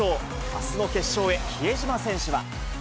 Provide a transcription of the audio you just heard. あすの決勝へ、比江島選手は。